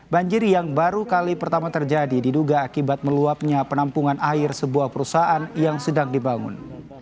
banjir yang baru kali pertama terjadi diduga akibat meluapnya penampungan air sebuah perusahaan yang sedang dibangun